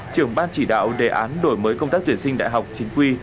trưởng ban chỉ đạo đề án đổi mới công tác tuyển sinh đại học chính quy